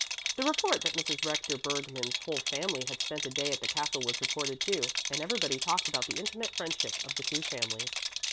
The report that Mrs. Rector Bergmann's whole family had spent a day at the castle was reported, too, and everybody talked about the intimate friendship of the two families.